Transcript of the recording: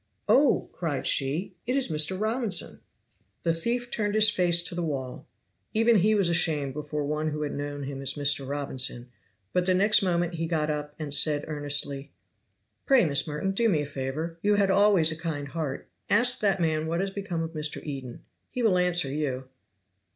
"Oh!" cried she, "it is Mr. Robinson!" The thief turned his face to the wall. Even he was ashamed before one who had known him as Mr. Robinson; but the next moment he got up and said earnestly, "Pray, Miss Merton, do me a favor you had always a kind heart Ask that man what has become of Mr. Eden he will answer you."